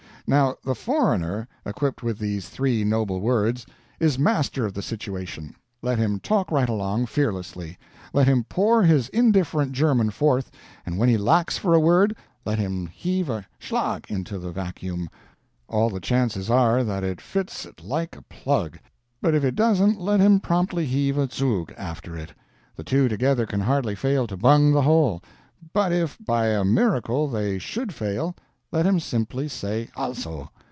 Now, the foreigner, equipped with these three noble words, is master of the situation. Let him talk right along, fearlessly; let him pour his indifferent German forth, and when he lacks for a word, let him heave a SCHLAG into the vacuum; all the chances are that it fits it like a plug, but if it doesn't let him promptly heave a ZUG after it; the two together can hardly fail to bung the hole; but if, by a miracle, they SHOULD fail, let him simply say ALSO!